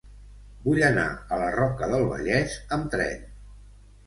Vull anar a la Roca del Vallès amb tren.